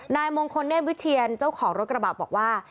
นายมงคลเนธวิเทียนเจ้าของรถกระบะบอกว่า